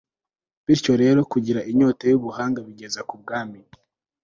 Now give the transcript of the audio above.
bityo rero, kugira inyota y'ubuhanga bigeza ku bwami